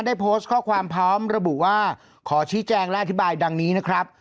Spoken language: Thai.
ได้โพสต์ข้อความพร้อมระบุว่าขอชี้แจงและอธิบายดังนี้นะครับ